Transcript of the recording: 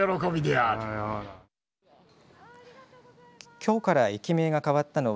きょうから駅名が変わったのは